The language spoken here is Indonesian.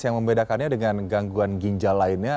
yang membedakannya dengan gangguan ginjal lainnya